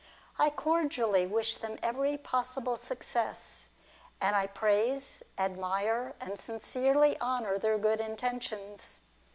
I cordially wish them every possible success, and I praise, admire, and sincerely honour their good intentions.